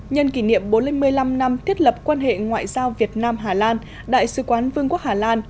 nhân kỷ niệm bốn mươi năm năm thiết lập quan hệ ngoại giao việt nam hà lan đại sứ quán vương quốc hà lan